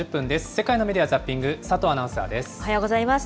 世界のメディア・ザッピング、佐おはようございます。